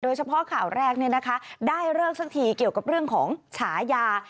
โดยเฉพาะข่าวแรกเนี่ยนะคะได้เลิกซักทีเกี่ยวกับเรื่องของฉายา